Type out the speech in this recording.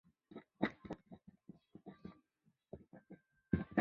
有学者认为肱肌较为粗壮的浅端可与与肱二头肌协同作出肘关节屈曲的动作。